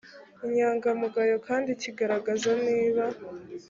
inyangamugayo kandi kigaragaza niba